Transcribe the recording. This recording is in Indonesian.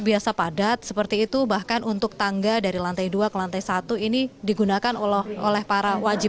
biasa padat seperti itu bahkan untuk tangga dari lantai dua ke lantai satu ini digunakan oleh para wajib